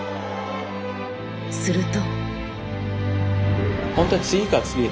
すると。